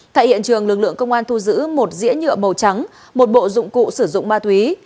tại hiện trường lực lượng công an thu giữ một dĩa nhựa màu trắng một bộ dụng cụ sử dụng ma túy